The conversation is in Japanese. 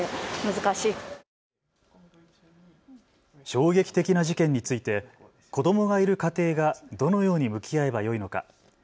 衝撃的な事件について子どもがいる家庭がどのように向き合いばよいのか。